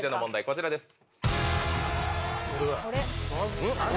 こちらです。